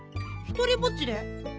ひとりぼっちで？